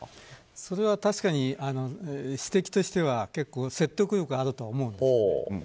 それは確かに指摘としては説得力あると思います。